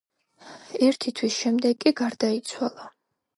ერთი თვის შემდეგ კი გარდაიცვალა.